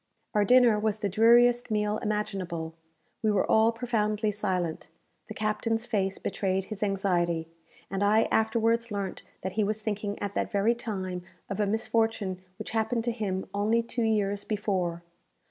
Our dinner was the dreariest meal imaginable. We were all profoundly silent. The captain's face betrayed his anxiety, and I afterwards learnt that he was thinking at that very time of a misfortune which happened to him only two years before.